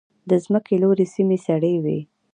د ځمکې لوړې سیمې سړې وي.